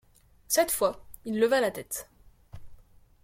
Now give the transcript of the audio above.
Cette fois, il leva la tête.